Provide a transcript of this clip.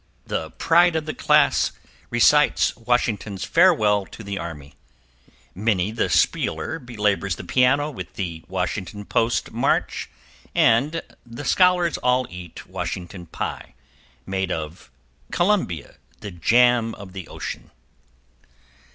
The Pride of the Class recites Washington's "Farewell to the Army," Minnie the Spieler belabors the piano with the "Washington Post March," and the scholars all eat Washington Pie, made of "Columbia, the Jam of the Ocean."